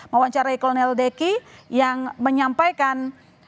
mewawancarai kolonel deki yang menyampaikan